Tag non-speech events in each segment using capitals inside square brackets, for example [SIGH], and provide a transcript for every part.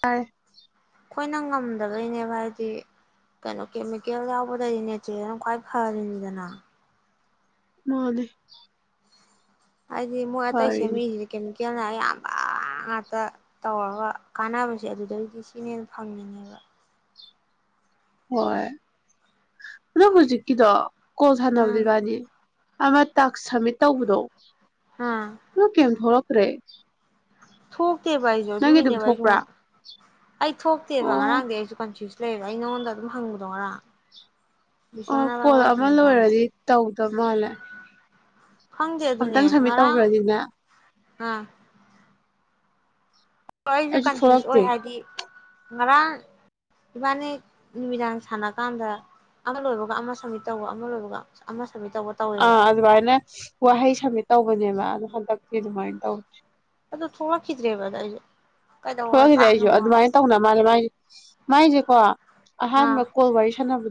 ꯇꯥꯏꯌꯦ ꯑꯩꯈꯣꯏꯅ ꯉꯝꯗꯕꯩꯅꯦꯕ ꯍꯥꯏꯗꯤ ꯀꯅꯣ ꯀꯦꯃꯤꯀꯦꯜ ꯌꯥꯎꯕꯗꯩꯩ ꯅꯦꯆꯔꯦꯜꯅ ꯈ꯭ꯋꯥꯏ ꯐꯔꯤꯅꯤꯗꯅ ꯃꯥꯅꯦ ꯍꯥꯏꯗꯤ ꯃꯣꯏ ꯑꯇꯩ ꯐꯔꯤꯅꯤ ꯁꯦꯝꯃꯤ ꯀꯦꯝ ꯀꯦꯟꯅ ꯑꯌꯥꯝꯕ ꯉꯥꯛꯇ ꯇꯧꯔꯒ ꯀꯥꯟꯅꯕꯁꯦ ꯑꯗꯨꯗꯒꯤꯗꯤ ꯁꯤꯅ ꯍꯦꯟ ꯐꯪꯉꯤꯅꯦꯕ ꯍꯣꯏ ꯑꯗꯨꯝ ꯍꯧꯖꯤꯛꯀꯤꯗꯣ ꯀꯣꯜ ꯁꯅꯕꯖꯦ ꯎꯝ ꯏꯕꯅꯤ ꯑꯃꯇꯥꯛꯁ ꯁꯝꯃꯤꯠ ꯇꯧꯕꯗꯣ ꯑꯥ ꯑꯗꯨ ꯀꯦꯝ ꯊꯣꯛꯂꯛ ꯔꯦ ꯊꯣꯛ ꯇꯦꯕ ꯑꯩꯁꯨ ꯑꯗꯨꯒꯤꯅꯦꯕ ꯑꯩꯁꯨ ꯊꯣꯛꯄ꯭ꯔꯥ ꯑꯩ ꯊꯣꯛꯇꯦꯕ ꯑꯣ ꯉꯔꯥꯡꯗꯩ ꯑꯩꯁꯨ ꯀꯟꯐꯤꯌꯨꯁ ꯂꯩꯔ ꯑꯩ ꯅꯉꯣꯟꯗ ꯑꯗꯨꯝ ꯍꯪꯕꯗꯣ ꯉꯔꯥꯡ ꯑꯣ ꯕꯤꯁ꯭ꯋꯥꯅ ꯏꯕꯥꯅꯤ ꯀꯣꯜ ꯋꯥꯔꯤ ꯑꯃ ꯁꯥꯟꯅꯩꯀꯥꯟꯗ ꯂꯣꯏꯔꯗꯤ ꯇꯧꯗ ꯃꯥꯜꯂꯦ ꯈꯪꯗꯦ ꯑꯗꯨꯅꯦ ꯑꯝꯇꯪ ꯁꯝꯃꯤꯠ ꯉꯔꯥꯡ ꯇꯧꯈ꯭ꯔꯗꯤꯅꯦ ꯑꯥ ꯑꯩꯁꯨ ꯀꯟꯐ꯭ꯌꯨꯁ ꯑꯣꯏ ꯍꯥꯏꯗꯤ ꯉꯔꯥꯡ ꯏꯕꯅꯤ ꯅꯨꯃꯤꯗꯥꯡ ꯁꯥꯟꯅꯀꯥꯟꯗ ꯑꯃ ꯂꯣꯏꯕꯒ ꯑꯃ ꯁꯝꯃꯤꯠ ꯇꯧꯕ ꯑꯃ ꯂꯣꯏꯕꯒ ꯑꯃ ꯁꯝꯃꯤꯠ ꯇꯧꯕ ꯑꯥ ꯇꯧꯋꯦꯕ ꯑꯗꯨꯃꯥꯏꯅ ꯋꯥꯍꯩ ꯁꯝꯃꯤꯠ ꯇꯧꯕꯅꯦꯕ ꯑꯗ ꯍꯟꯗꯛꯇꯤ ꯑꯗꯨꯃꯥꯏꯅ ꯇꯧ ꯑꯗꯣ ꯊꯣꯔꯛꯈꯤꯗ꯭ꯔꯦꯕ ꯑꯗ ꯑꯩꯁꯨ ꯊꯣꯂꯛꯈꯤꯗ꯭ꯔꯦ ꯑꯩꯖꯨ ꯑꯗꯨꯃꯥꯥꯏꯅ ꯇꯧꯅ ꯃꯥꯂꯦ ꯃꯥꯏ ꯃꯥꯥꯏꯖꯦ ꯀꯣ ꯑꯍꯥꯟꯕ ꯑꯥ ꯀꯣꯜ ꯋꯥꯔꯤ ꯁꯥꯟꯅꯕ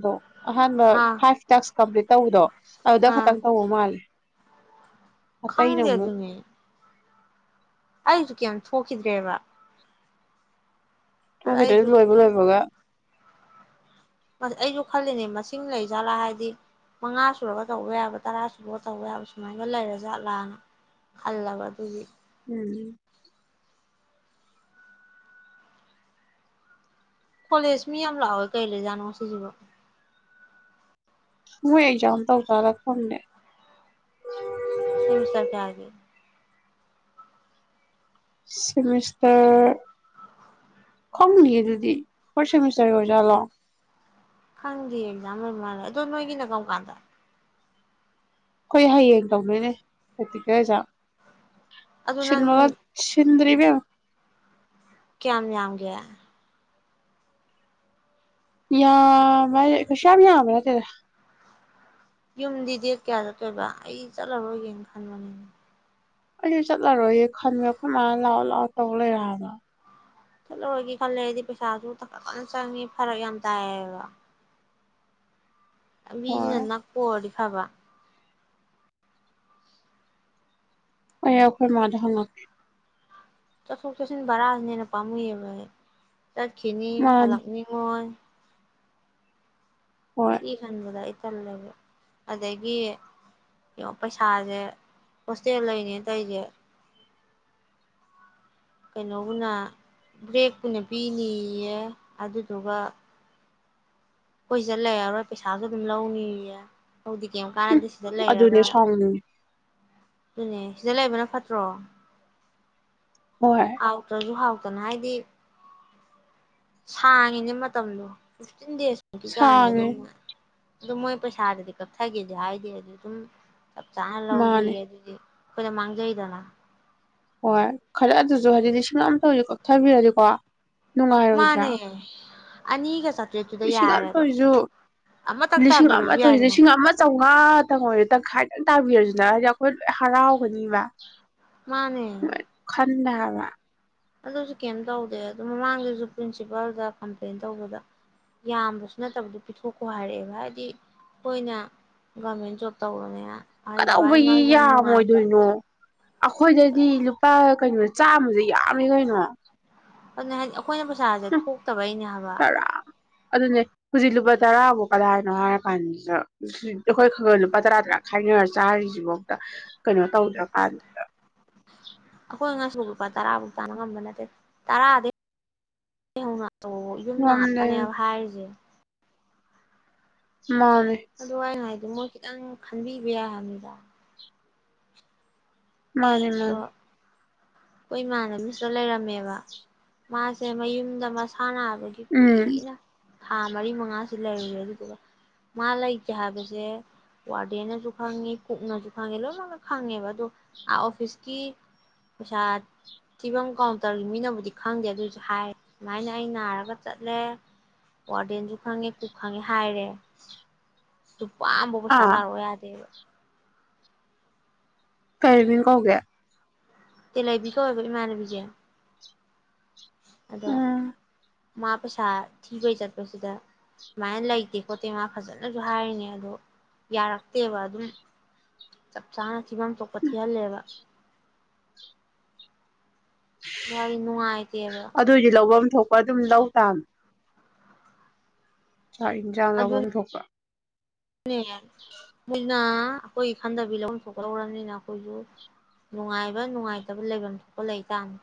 ꯑꯍꯥꯟꯕ ꯑꯥ ꯐꯥꯏꯞ ꯇꯛꯁ ꯀꯝꯄ꯭ꯂꯤꯠ ꯇꯧꯕꯗꯣ ꯑꯗꯨꯗ ꯑꯥ ꯈꯛꯇꯪ ꯇꯧꯕꯃꯥꯜꯂꯦ ꯈꯪꯗꯦ ꯑꯗꯨꯅꯦ ꯑꯩꯁꯨ ꯀꯩꯝ ꯊꯣꯛꯈꯤꯗ꯭ꯔꯦꯕ ꯑꯗ ꯊꯣꯛꯈꯤꯗ꯭ꯔꯦ ꯑꯩꯁꯨ ꯂꯣꯏꯕ ꯂꯣꯏꯕꯒ ꯑꯩꯁꯨ ꯈꯜꯂꯤꯅꯦ ꯃꯁꯤꯡ ꯂꯩ ꯖꯥꯠꯂꯥ ꯍꯥꯏꯗꯤ ꯃꯉꯥ ꯁꯨꯔꯒ ꯇꯧꯕ ꯌꯥꯕ ꯇꯔꯥ ꯁꯨꯔꯒ ꯇꯧꯕ ꯌꯥꯕ ꯁꯨꯃꯥꯏꯅ ꯂꯩꯔ ꯖꯥꯠꯂꯥꯅ ꯈꯜꯂꯒ ꯑꯗꯨꯒꯤ ꯎꯝ ꯀꯣꯂꯦꯖ ꯃꯤ ꯌꯥꯝ ꯂꯥꯛꯑꯣꯏ ꯀꯩ ꯂꯩꯖꯥꯠꯅꯣ ꯉꯥꯁꯤꯖꯤꯕꯨ ꯃꯣꯏ ꯑꯦꯖꯝ ꯇꯧꯖꯠꯔꯥ ꯈꯪꯗꯦ ꯁꯦꯃꯤꯁꯇ꯭ꯔ ꯀꯌꯥꯒꯤ ꯁꯦꯃꯤꯁꯇꯔ ꯈꯪꯅꯤꯌꯦ ꯑꯗꯨꯗꯤ ꯐꯥꯣꯔꯁ ꯁꯦꯃꯤꯁꯇꯔ ꯑꯣꯖꯥꯠꯂꯣ ꯈꯪꯗꯦ ꯑꯦꯖꯝ ꯑꯣꯏꯔꯃꯥꯜꯂꯦ ꯑꯗꯣ ꯅꯣꯒꯤꯅ ꯀꯝ ꯀꯥꯟꯗ ꯑꯩꯈꯣꯏ ꯍꯌꯦꯡ ꯇꯧꯗꯣꯏꯅꯦ ꯄ꯭ꯔꯦꯇꯤꯀꯦꯜ ꯑꯦꯖꯝ ꯑꯗꯣ ꯅꯪ ꯁꯤꯃꯟ ꯁꯤꯗꯔꯤ [UNINTELLIGIBLE] ꯀꯌꯥꯝ ꯌꯥꯝꯒꯦ ꯌꯥ ꯃꯦ ꯀꯩꯁꯨ ꯌꯥꯝꯕ ꯅꯥꯠꯇꯦꯗ ꯌꯨꯝꯗꯤ ꯗꯦꯠ ꯀꯌꯥ ꯆꯠꯇꯣꯏꯕ ꯑꯩ ꯆꯠꯂꯔꯣꯏꯒꯦꯅ ꯈꯟꯕꯅꯦ ꯑꯩꯁꯨ ꯆꯠꯂꯔꯣꯏ ꯈꯟꯃꯦ ꯑꯩꯈꯣꯏ ꯃꯥꯅ ꯂꯥꯎꯑꯣ ꯂꯥꯎꯑꯣ ꯇꯧ ꯂꯩꯔꯦ ꯍꯥꯏꯕ ꯆꯠꯂꯨꯔꯒꯦ ꯈꯜꯂꯦ ꯑꯩꯗꯤ ꯄꯩꯁꯥꯁꯨ ꯀꯟꯅ ꯆꯪꯉꯤ ꯐꯔꯛ ꯌꯥꯝ ꯇꯥꯏꯕ ꯂꯝꯕꯤꯖꯤꯅ ꯍꯣꯏ ꯅꯛꯄ ꯑꯣꯏꯔꯗꯤ ꯊꯕ ꯑꯩ ꯑꯣꯈꯣꯏ ꯃꯗ ꯍꯪꯂꯛꯀꯦ ꯆꯠꯊꯣꯛ ꯆꯁꯤꯟ ꯕꯔꯥꯁꯅꯦꯅ ꯍꯦꯟꯅ ꯄꯥꯝꯨꯏꯌꯦꯕ ꯇꯥꯛ ꯈꯅꯤ ꯃꯥꯅꯤ ꯍꯛꯅꯤꯉꯣꯏ ꯍꯣꯏ ꯁꯤ ꯈꯪꯕꯗ ꯑꯩ ꯇꯜꯂꯦꯕ ꯑꯗꯒꯤ ꯄꯩꯁꯥꯁꯦ ꯍꯣꯁꯇꯦꯜ ꯂꯩꯅꯦꯅ ꯇꯁꯦ ꯀꯩꯅꯣꯕꯨꯅ ꯕ꯭ꯔꯦꯛꯄꯨꯅ ꯄꯤꯅꯤꯌꯦ ꯑꯗꯨꯗꯨꯒ ꯑꯩꯈꯣꯏ ꯁꯤꯗ ꯂꯩꯔꯔꯣꯏ ꯄꯩꯁꯥꯁꯨ ꯑꯗꯨꯝ ꯂꯧꯅꯤꯌꯦ ꯍꯧꯗꯤ ꯀꯔꯤꯝ ꯎꯝ ꯀꯥꯟꯅꯗꯤ ꯁꯤꯗ ꯂꯩꯔꯒ ꯑꯗꯨꯅꯦ ꯁꯥꯎꯅꯤꯡꯉꯤ ꯑꯗꯨꯅꯦ ꯁꯤꯗ ꯂꯩꯕꯅ ꯐꯠꯇ꯭ꯔꯣ ꯍꯣꯏ ꯍꯥꯎꯇ꯭ꯔꯖꯨ ꯍꯥꯎ ꯀꯅꯣ ꯍꯥꯏꯗꯤ ꯁꯥꯡꯉꯤꯅꯦ ꯃꯇꯝꯗꯣ ꯐꯤꯐꯇꯤꯟ ꯗꯦꯁ ꯃꯨꯛꯀꯤ ꯆꯥꯡꯅꯦ ꯁꯥꯡꯉꯦ ꯑꯗꯨꯅ ꯑꯗꯨꯝ ꯃꯣꯏ ꯄꯩꯁꯥꯗꯗꯤ ꯀꯛꯊꯒꯦꯗꯤ ꯍꯥꯏꯗꯦ ꯑꯗꯨꯗ ꯑꯗꯨꯝ ꯆꯞ ꯆꯥꯅ ꯃꯥꯅꯦ ꯂꯧꯒꯦꯗꯨꯗꯤ ꯑꯩꯈꯣꯏꯗ ꯃꯥꯡꯖꯩꯗꯅ ꯍꯣꯏ ꯈꯔ ꯑꯗꯨꯁꯨ ꯍꯥꯏꯗꯤ ꯂꯤꯁꯤꯡ ꯑꯃꯝꯇꯧ ꯀꯞꯊꯕꯤꯔꯗꯤꯀꯣ ꯅꯨꯡꯉꯥꯏꯔꯣꯏꯗ꯭ꯔꯥ ꯑꯅꯤꯒꯥ ꯆꯥꯠ ꯂꯤꯁꯤꯡ ꯑꯃ ꯇꯣꯏꯁꯨ ꯑꯃꯇꯪ ꯂꯤꯁꯤꯡ ꯑꯃ ꯇꯥꯕꯤꯔꯁꯨ ꯇꯣꯏ ꯌꯥꯏꯗꯅ ꯂꯤꯁꯤꯡ ꯑꯃ ꯆꯥꯝꯃꯉꯥ ꯇꯪꯍꯣꯏꯁꯨ ꯇꯪꯈꯥꯏꯗꯪ ꯇꯥꯕꯤꯔꯁꯨ ꯍꯥꯏꯗꯤ ꯑꯩꯈꯣꯏ ꯂꯣꯏ ꯍꯔꯥꯎꯒꯅꯤꯕ ꯃꯥꯅꯦ ꯈꯟꯗꯦ ꯍꯥꯏꯕ ꯑꯗꯨꯁꯨ ꯀꯩꯝ ꯇꯧꯗꯦ ꯑꯗꯨ ꯃꯃꯥꯡꯗꯁꯨ ꯄ꯭ꯔꯤꯟꯁꯤꯄꯥꯜꯗ ꯀꯝꯄ꯭ꯂꯦꯟ ꯇꯧꯕꯗ ꯌꯥꯝꯕꯁꯨ ꯅꯠꯇꯕꯗꯨ ꯄꯤꯊꯣꯛꯈꯣ ꯍꯥꯏꯔꯛꯑꯦꯕ ꯍꯥꯏꯗꯤ ꯑꯈꯣꯏꯅ ꯒꯔꯃꯦꯟ ꯖꯣꯕ ꯇꯧꯔꯃꯦꯅ ꯀꯗꯧꯕꯒꯤ ꯌꯥꯝꯃꯣꯏꯗꯣꯏꯅꯣ ꯑꯩꯈꯣꯏꯗꯗꯤ ꯂꯨꯄꯥ ꯀꯩꯅꯣ ꯆꯥꯝꯃꯁꯦ ꯌꯥꯝꯃꯦ ꯀꯩꯅꯣ ꯑꯗꯨꯅꯦ ꯍꯥꯏꯁꯦ ꯑꯩꯈꯣꯏꯅ ꯄꯩꯁꯥꯁꯦ ꯊꯣꯛꯇꯕꯩꯅꯦ ꯍꯥꯏꯕ ꯇꯔꯥ ꯑꯗꯨꯅꯦ ꯍꯧꯖꯤꯛ ꯂꯨꯄꯥ ꯇꯔꯥꯕꯧ ꯀꯗꯥꯏꯅꯣ ꯍꯥꯏꯔꯀꯥꯟꯗꯨꯗ ꯑꯩꯈꯣꯏ ꯈꯔ ꯈꯔ ꯂꯨꯄꯥ ꯇꯔꯥ ꯇꯔꯥ ꯈꯥꯏꯅꯔ ꯆꯥꯔꯤꯁꯤꯐꯥꯎꯗ ꯀꯩꯅꯣ ꯇꯧꯗ꯭ꯔꯀꯥꯟꯗ ꯈꯣꯏ ꯉꯁꯤꯕꯣꯛ ꯂꯨꯄꯥ ꯇꯔꯥꯕꯨꯛ ꯇꯥꯟ ꯉꯝꯕ ꯅꯠꯇꯦ ꯇꯔꯥꯗꯒꯩ ꯍꯧꯅ ꯇꯧꯑꯣ ꯌꯨꯝꯅ ꯉꯝꯗꯦ ꯉꯥꯛꯇꯅꯦꯕ ꯍꯥꯏꯔꯤꯁꯦ ꯃꯥꯅꯦ ꯑꯗꯨ ꯑꯩꯅ ꯍꯥꯏꯗꯤ ꯃꯣꯏ ꯈꯤꯇꯪ ꯈꯟꯕꯤꯕ ꯌꯥꯢ ꯍꯥꯏꯕꯅꯤꯗ ꯃꯥꯅꯦ ꯑꯗꯣ ꯃꯥꯅꯦ ꯑꯩꯈꯣꯏ ꯏꯃꯥꯟꯅꯕꯤꯁꯤꯗ ꯂꯩꯔꯝꯃꯦꯕ ꯃꯥꯁꯦ ꯃꯌꯨꯝꯗ ꯃꯁꯥ ꯅꯥ ꯕꯒꯤ ꯎꯝ ꯀꯨꯏꯅ ꯊꯥ ꯃꯔꯤ ꯃꯉꯥ ꯂꯩꯥꯔꯨꯔꯦ ꯑꯗꯨꯗꯨꯒ ꯃꯥ ꯂꯩꯇꯦ ꯍꯥꯏꯕꯁꯦ ꯋꯥꯔꯗꯦꯟꯅꯁꯨ ꯈꯪꯉꯤ ꯀꯨꯛꯅꯁꯨ ꯈꯪꯉꯦ ꯂꯣꯏꯅꯃꯛꯅ ꯈꯪꯉꯦꯕ ꯑꯗꯣ ꯑꯣꯐꯤꯁꯀꯤ ꯄꯩꯁꯥ ꯊꯤꯕꯝ ꯀꯥꯎꯟꯇꯔꯒꯤ ꯃꯤꯅꯕꯨꯗꯤ ꯈꯪꯗꯦ ꯑꯗꯨꯏꯁꯨ ꯍꯥꯏꯔꯦ ꯁꯨꯃꯥꯏꯅ ꯑꯩ ꯅꯥꯔꯒ ꯆꯠꯂꯦ ꯋꯥꯔꯗꯦꯟꯁꯨ ꯈꯪꯉꯦ ꯀꯨꯛ ꯈꯪꯉꯦ ꯍꯥꯏꯔꯦ ꯂꯨꯄꯥ ꯑꯝꯕꯥꯎ ꯄꯩꯁꯥ ꯑꯥ ꯇꯥꯔꯛꯑꯣ ꯌꯥꯗꯦꯕ ꯀꯩ ꯃꯤꯡ ꯀꯧꯒꯦ ꯇꯦꯂꯩꯕꯤ ꯀꯧꯑꯦꯕ ꯏꯃꯅꯕꯤꯖꯦ ꯑꯗꯣ ꯎꯝ ꯃꯥ ꯄꯩꯁꯥ ꯊꯤꯕꯩ ꯆꯠꯄꯁꯤꯗ ꯁꯨꯃꯥꯏꯅ ꯂꯩꯇꯦ ꯈꯣꯠꯇꯦ ꯃꯥ ꯐꯖꯅꯁꯨ ꯍꯥꯏꯔꯤꯅꯦ ꯑꯗꯣ ꯌꯥꯔꯛꯇꯦꯕ ꯑꯗꯨꯝ ꯆꯞ ꯆꯥꯅ ꯊꯤꯐꯝ ꯊꯣꯛꯄ ꯊꯤꯍꯜꯂꯦꯕ ꯗꯤ ꯅꯨꯡꯉꯥꯏꯇꯦꯕ ꯄꯨ ꯊꯣꯛꯄ ꯑꯗꯨꯝ ꯂꯧ ꯇꯥꯝ ꯆꯥꯛ ꯌꯦꯟꯁꯥꯡ ꯂꯧꯐꯝ ꯊꯣꯛꯄ ꯅꯦ ꯃꯣꯏꯅ ꯑꯩꯈꯣꯏꯒꯤ ꯈꯟꯗꯕꯤ ꯂꯧꯐꯝ ꯊꯣꯛꯄ ꯂꯧꯔꯕꯅꯤꯅ ꯑꯩꯈꯣꯏꯁꯨ ꯅꯨꯡꯉꯥꯏꯕ ꯅꯨꯡꯉꯥꯏꯇꯕ ꯂꯩꯐꯝ ꯊꯣꯛꯄ ꯂꯩꯇꯕꯅꯤ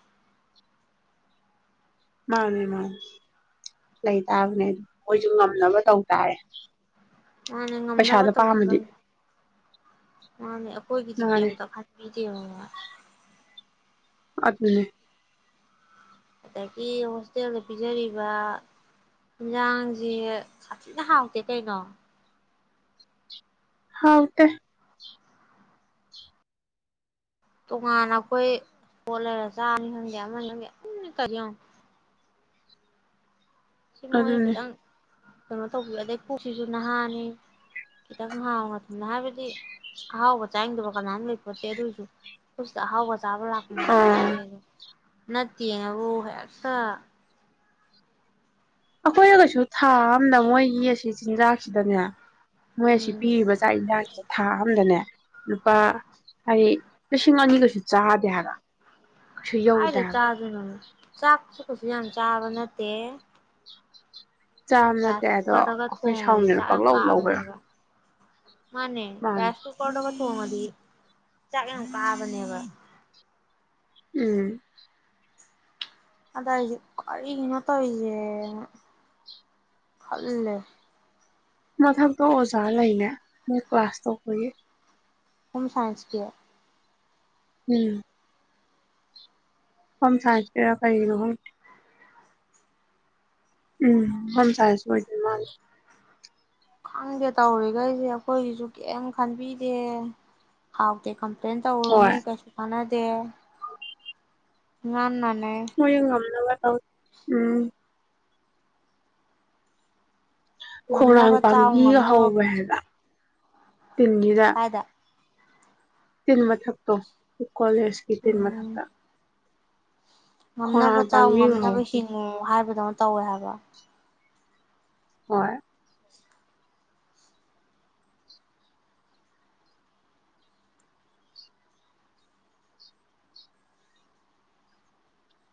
ꯃꯥꯅꯦ ꯃꯥꯅꯦ ꯂꯩ ꯇꯥꯕꯅꯦ ꯑꯗꯨ ꯃꯣꯏꯁꯨ ꯉꯝꯅꯕ ꯇꯧ ꯇꯥꯔꯦ ꯃꯥꯅꯦ ꯉꯝꯅꯕ ꯄꯩꯁꯥꯗꯣ ꯄꯥꯝꯃꯗꯤ ꯇꯧꯖꯗꯧꯅꯦ ꯃꯥꯅꯦ ꯑꯩꯈꯣꯏꯒꯤꯗꯤ ꯃꯥꯅꯦ ꯀꯝꯇ ꯈꯟꯕꯤ [UNINTELLIGIBLE] ꯑꯗꯨꯅꯦ ꯑꯗꯒꯤ ꯍꯣꯁꯇꯦꯜꯗ ꯄꯤꯖꯔꯤꯕ ꯌꯦꯟꯁꯥꯡꯁꯦ ꯁꯥꯊꯤꯅ ꯍꯥꯎꯇꯦ ꯀꯩꯅꯣ ꯍꯥꯎ ꯇꯦ ꯇꯣꯉꯥꯟꯅ ꯑꯩꯈꯣꯏ ꯄꯣꯠ ꯂꯩꯔ ꯆꯥꯕꯅꯤ ꯈꯪꯗꯦ ꯑꯃꯅꯤ ꯈꯪꯗꯦ ꯑꯗꯨꯝ ꯀꯔꯤꯌꯣꯡ ꯁꯤꯃ ꯉꯣꯟꯗ ꯑꯗꯨꯅꯦ ꯈꯤꯇꯪ ꯀꯩꯅꯣ ꯇꯧꯕꯤꯌꯨ ꯑꯗꯩ ꯄꯨꯛꯁꯤꯁꯨ ꯅꯍꯥꯅꯤ ꯈꯤꯇꯪ ꯍꯥꯎꯅ ꯊꯨꯝꯅ ꯍꯥꯏꯕꯗꯤ ꯑꯍꯥꯎꯕ ꯆꯥꯅꯤꯡꯗꯕ ꯀꯅꯥ ꯑꯝ ꯂꯩ ꯄꯣꯟꯇꯦ ꯑꯗꯨꯑꯣꯏꯁꯨ ꯄꯨꯛꯁꯤꯗ ꯑꯍꯥꯎꯕ ꯆꯕ ꯂꯥꯛꯄ ꯃꯛꯇꯤ ꯑꯥ ꯅꯠꯇꯦꯗꯣ ꯅꯠꯇꯦ ꯍꯥꯏꯕꯨ ꯍꯦꯛꯇ ꯑꯩꯈꯣꯏꯅ ꯀꯩꯁꯨ ꯊꯥ ꯑꯝꯗ ꯃꯣꯏꯒꯤ ꯑꯁꯤ ꯆꯤꯟꯖꯥꯛꯁꯤꯗꯅꯦ ꯃꯣꯏ ꯑꯁꯤ ꯎꯝ ꯄꯤꯔꯤꯕ ꯆꯥꯛ ꯏꯟꯁꯥꯡꯁꯦ ꯊꯥ ꯑꯝꯗꯅꯦ ꯂꯨꯄꯥ ꯍꯥꯏ ꯂꯤꯁꯤꯡ ꯑꯅꯤ ꯀꯩꯁꯨ ꯆꯥꯗꯦ ꯍꯥꯏꯕ ꯀꯩꯁꯨ ꯌꯧꯗꯦ ꯀꯥꯏꯗꯩꯩ ꯍꯥꯏꯕ ꯆꯥꯗꯣꯏꯅꯣ ꯆꯥꯛꯁꯨ ꯀꯁꯨ ꯌꯥꯝ ꯆꯥꯕ ꯅꯠꯇꯦ ꯆꯥꯕ ꯅꯠꯇꯦ ꯔꯥꯏꯁ ꯑꯗꯣ ꯀꯨꯀꯔꯗꯒ ꯑꯩꯈꯣꯏ ꯊꯣꯡꯉꯗꯤ ꯁꯥꯎꯅꯤꯗꯅ ꯆꯥꯛ ꯌꯥꯝ ꯄꯪꯂꯧ ꯂꯧꯕ ꯋꯥ ꯀꯥꯕꯅꯦꯕ ꯃꯥꯅꯦ ꯔꯥꯏꯁ ꯀꯨꯀꯔꯗꯒ ꯊꯣꯡꯉꯗꯤ ꯆꯥꯛ ꯌꯥꯝ ꯀꯥꯕꯅꯦꯕ ꯎꯝ ꯑꯗ ꯑꯩꯖꯦ ꯀꯔꯤꯅꯣ ꯇꯧꯔꯤꯁꯦꯅ ꯈꯜꯂꯦ ꯃꯊꯛꯇꯣ ꯑꯣꯖꯥ ꯂꯩꯅꯦ ꯃꯣꯏ ꯀ꯭ꯂꯥꯁ ꯇꯧꯕꯒꯤ ꯍꯣꯝ ꯁꯥꯏꯟꯁꯀꯤ ꯎꯝ ꯍꯣꯝ ꯁꯥꯏꯟꯁꯀꯤꯔ ꯀꯩꯒꯤꯅꯣ ꯈꯪꯗꯦ ꯎꯝ ꯍꯣꯝ ꯁꯥꯏꯟꯁ ꯑꯣꯏꯗꯣꯏ ꯃꯥꯜꯂꯦ ꯈꯪꯗꯦ ꯇꯧꯔꯤꯈꯩꯁꯦ ꯑꯩꯈꯣꯏꯒꯤꯁꯨ ꯀꯦꯝ ꯈꯟꯕꯤꯗꯦ ꯍꯥꯎꯇꯦ ꯀꯝꯄ꯭ꯂꯦꯟ ꯇꯧꯔꯨꯅꯤ ꯍꯣꯏ ꯀꯩꯁꯨ ꯀꯥꯅ [UNINTELLIGIBLE] [UNINTELLIGIBLE] ꯍꯣꯏ ꯌꯦꯡ ꯉꯝꯅꯕ ꯇꯧ ꯎꯝ ꯈꯣꯡꯅꯥꯡ ꯉꯝꯅꯕ ꯆꯥꯎ ꯄꯥꯝꯕꯤꯒ ꯉꯝꯅꯕ ꯍꯧꯋꯦ ꯍꯥꯏꯕ ꯇꯤꯟꯒꯤꯗ ꯀꯥꯏꯗ ꯇꯤꯟ ꯃꯊꯛꯇꯣ ꯀꯣꯂꯦꯖꯀꯤ ꯇꯤꯟ ꯎꯝ ꯃꯊꯛꯇ ꯉꯝꯅꯕ ꯈꯣꯡꯅꯥꯡ ꯆꯥꯎ ꯄꯥꯝꯕꯤꯒ ꯍꯧ ꯉꯝꯅꯕ ꯍꯤꯡꯉꯨ ꯍꯥꯏꯕ ꯗꯧꯅ ꯇꯧꯋꯦ ꯍꯥꯏꯕ ꯍꯣꯏ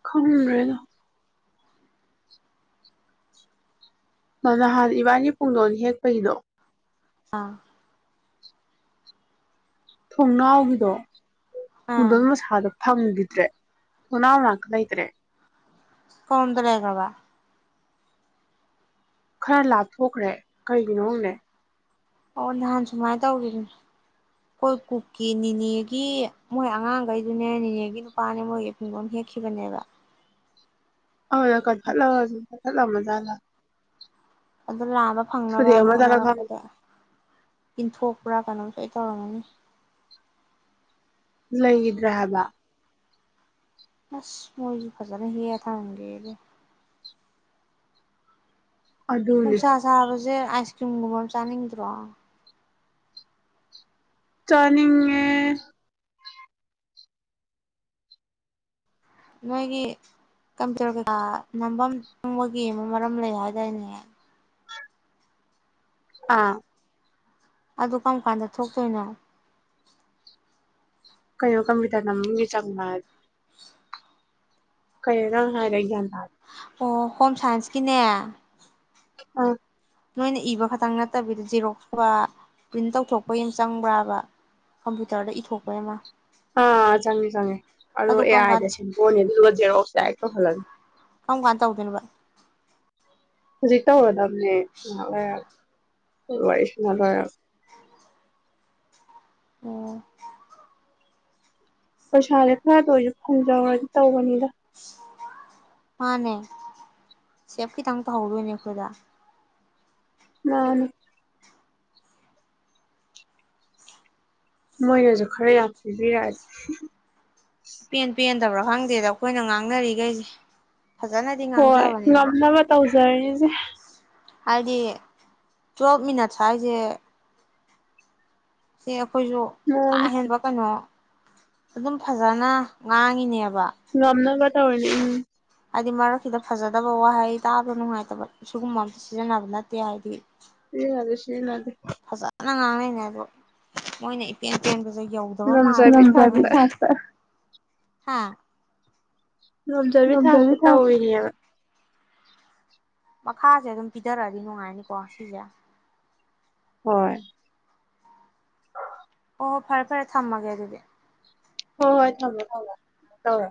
ꯈꯪꯗ꯭ꯔꯦꯗ ꯃ ꯅꯍꯥꯟ ꯏꯕꯥꯅꯤ ꯄꯨꯡꯗꯣꯟ ꯍꯦꯛꯄꯩꯗꯣ ꯑꯥ ꯊꯣꯡꯅꯥꯎꯒꯤꯗꯣ ꯑꯥ ꯄꯨꯡꯗꯣꯟ ꯃꯁꯥꯗꯣ ꯊꯝꯈꯤꯗ꯭ꯔꯦ ꯊꯣꯡꯅꯥꯎ ꯃꯅꯥꯛꯇ ꯂꯩꯇ꯭ꯔꯦ ꯀꯥꯗꯣꯝꯗ ꯂꯩꯒ꯭ꯔꯕ ꯈꯔ ꯂꯥꯞꯊꯣꯛꯈ꯭ꯔꯦ ꯀꯔꯤꯒꯤꯅꯣ ꯈꯪꯗꯦ ꯑꯣ ꯅꯍꯥꯟ ꯁꯨꯃꯥꯏꯅ ꯇꯧꯒꯤꯕꯅꯦ ꯑꯩꯈꯣꯏ ꯀꯨꯛꯀꯤ ꯅꯤꯅꯦꯒꯤ ꯃꯣꯏ ꯑꯉꯥꯡꯈꯩꯗꯨꯅꯦ ꯅꯤꯅꯦꯒꯤ ꯅꯨꯄꯥꯅꯦ ꯃꯣꯏꯒꯤ ꯄꯨꯡꯗꯣꯟ ꯍꯦꯛꯈꯤꯕꯅꯦꯕ [UNINTELLIGIBLE] ꯃꯨꯊꯠꯂꯃꯖꯥꯠꯂ ꯑꯗꯨ ꯂꯥꯝꯕ ꯐꯪꯅꯕꯅ ꯈꯪꯗꯦ ꯍꯣꯠꯅꯔꯛꯄꯗ ꯏꯟꯊꯣꯛꯄ꯭ꯔꯥ ꯀꯩꯅꯣꯝ ꯁꯣꯏ ꯇꯧꯔꯝꯒꯅꯤ ꯂꯩꯪꯒꯤꯗ꯭ꯔꯦ ꯍꯥꯏꯕ ꯑꯁ ꯃꯣꯏꯖꯤ ꯐꯖꯅ ꯍꯦꯛꯑꯒ ꯊꯃꯝꯒꯦꯗꯤ ꯑꯗꯨꯅꯦ ꯅꯨꯡꯁꯥ ꯁꯥꯕ ꯁꯦ ꯑꯥꯏꯁꯀ꯭ꯔꯤꯝꯒꯨꯝꯕ ꯑꯃ ꯆꯥꯅꯤꯡꯗ꯭ꯔꯣ ꯆꯥꯅꯤꯡꯉꯦ ꯅꯣꯏꯒꯤ ꯀꯝꯄ꯭ꯌꯨꯇꯔ ꯀꯩꯀꯥ ꯅꯝꯕꯝ ꯃꯣꯏꯒꯤ ꯑꯃ ꯃꯔꯝ ꯂꯩ ꯍꯥꯏꯗꯥꯏꯅꯦ ꯑꯥ ꯑꯗꯨ ꯀꯝ ꯀꯥꯟꯗ ꯊꯣꯛꯇꯣꯏꯅꯣ ꯀꯩꯅꯣ ꯀꯝꯄ꯭ꯌꯨꯇꯔ ꯅꯝꯕꯝꯒꯤ ꯆꯪꯕꯗꯤ ꯀꯩꯅꯣ ꯅꯪ ꯍꯥꯏꯗꯣ ꯑꯩ ꯒ꯭ꯌꯥꯟ ꯇꯥꯗꯦ ꯑꯣ ꯍꯣꯝꯁꯥꯏꯟꯁꯀꯤꯅꯦ ꯑꯥ ꯅꯣꯏꯅ ꯏꯕ ꯈꯛꯇꯪ ꯅꯠꯇꯕꯤꯗ ꯖꯦꯔꯣꯛꯁ ꯀꯨꯝꯕ ꯄ꯭ꯔꯤꯟ ꯇꯧꯊꯣꯛꯄꯩꯁꯨ ꯆꯪꯕ꯭ꯔꯕ ꯀꯝꯄ꯭꯭ꯌꯨꯇꯔꯗ ꯏꯊꯣꯛꯄꯩ ꯑꯃ ꯑꯥ ꯆꯪꯉꯦ ꯆꯪꯉꯦ ꯑꯗꯨ ꯑꯦ ꯀꯔꯝ ꯀꯥꯟ ꯑꯥꯏꯗ ꯁꯦꯝꯇꯣꯛꯑꯅꯤ ꯑꯗꯨꯗꯨꯒ ꯖꯦꯔꯣꯛꯁ ꯗꯥꯏꯔꯦꯛ ꯀꯧꯍꯜꯂꯅꯤ ꯀꯝꯀꯥꯟ ꯇꯧꯗꯣꯏꯅꯣꯕ ꯍꯧꯖꯤꯛ ꯇꯧꯔꯗꯕꯅꯦ ꯉꯍꯥꯛ ꯂꯩꯔꯒ ꯋꯥꯔꯤ ꯁꯥꯟꯅ ꯂꯣꯏꯔꯒ ꯑꯣ ꯄꯩꯁꯥꯥꯖꯦ ꯈꯔꯇ ꯑꯣꯏꯔꯁꯨ ꯐꯪꯖꯧꯍꯧꯔꯗꯤ ꯇꯧꯕꯅꯤꯗ ꯃꯥꯅꯦ ꯁꯦꯞꯈꯤꯠꯇꯪ ꯇꯧꯍꯧꯗꯣꯏꯅꯦ ꯑꯩꯈꯣꯏꯗ ꯃꯥꯅꯦ ꯃꯣꯏꯅꯖꯨ ꯈꯔ ꯌꯥꯝ ꯄꯤꯕꯤꯔꯛꯑꯗꯤ ꯄꯦꯟ ꯄꯦꯟ ꯈꯪꯗꯕ꯭ꯔ ꯈꯪꯗꯦꯗ ꯑꯩꯈꯣꯏꯅ ꯉꯥꯡꯅꯔꯤꯒꯩꯖꯦ ꯍꯣꯏ ꯉꯝꯅꯕ ꯇꯧ [UNINTELLIGIBLE] ꯍꯥꯏꯗꯤ ꯇꯨꯋꯦꯜꯞ ꯃꯤꯅꯠ ꯍꯥꯏꯖꯦ ꯁꯦꯍꯣ ꯑꯩꯒꯣꯏꯁꯨ ꯀꯥ ꯃꯣꯟ ꯍꯦꯟꯕ ꯀꯩꯅꯣ ꯑꯗꯨꯝ ꯐꯖꯅ ꯉꯥꯡꯉꯤꯅꯦ ꯉꯝꯅꯕ ꯇꯩꯔꯤꯖꯦ ꯎꯝ ꯍꯥꯏꯗꯤ ꯃꯔꯛꯁꯤꯗ ꯐꯖꯗꯕ ꯋꯥꯍꯩ ꯇꯥꯕ ꯅꯨꯡꯉꯥꯏꯇꯕ ꯁꯤꯒꯨꯝꯕ ꯑꯃ ꯁꯤꯖꯤꯟꯅꯕ ꯅꯠꯇꯦ ꯍꯥꯏꯗꯤ ꯁꯤꯖꯤꯟꯅꯗꯦ ꯁꯤꯖꯤꯟꯅꯗꯦ ꯄꯨꯡꯉꯡ ꯉꯡꯅꯩꯅꯤ ꯑꯗꯣ ꯃꯣꯏꯅ ꯏꯄꯦꯟ ꯄꯦꯟꯕ ꯌꯧꯗꯕ ꯃꯥꯜꯂꯦ ꯉꯝꯖꯕꯤ ꯅꯝꯕꯔꯗꯤ ꯊꯥꯛꯇ ꯐꯥꯁꯇꯔ ꯍꯥꯥ [INAUDIBLE] ꯉꯝꯖꯕꯤ ꯊꯥꯛꯁꯨ ꯇꯧꯔꯤꯅꯦꯕ ꯃꯈꯥꯁꯦ ꯑꯗꯨꯝ ꯄꯤꯊꯔꯛꯑꯗꯤ ꯅꯨꯡꯉꯥꯏꯅꯤꯀꯣ ꯁꯤꯁꯦ ꯍꯣꯏ ꯍꯣꯏ ꯍꯣ ꯐꯔꯦ ꯐꯔꯦ ꯊꯝꯃꯒꯦ ꯑꯗꯨꯗꯤ ꯍꯣꯏ ꯍꯣꯏ ꯊꯝꯃꯃꯣ ꯊꯝꯃꯣ ꯊꯝꯃꯦ